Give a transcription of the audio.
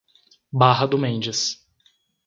Barra do Mendes